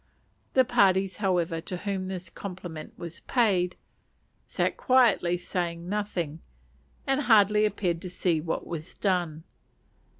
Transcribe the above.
The parties, however, to whom this compliment was paid, sat quietly saying nothing, and hardly appearing to see what was done.